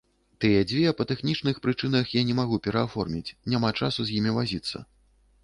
Тыя дзве па тэхнічных прычынах я не магу перааформіць, няма часу з імі вазіцца.